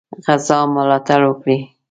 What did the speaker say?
غزا ملاتړ وکړي.